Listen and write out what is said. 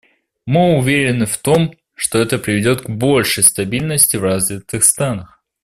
Мы уверены в том, что это приведет к большей стабильности в развитых странах.